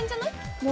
もう？